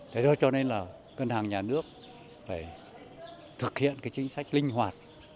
thế đó cho nên là ngân hàng nhà nước phải thực hiện cái chính sách linh hoạt